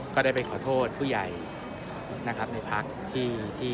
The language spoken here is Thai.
ก็ได้ไปขอโทษผู้ใหญ่ในภาคที่ทำแบบนั้นไปนะครับ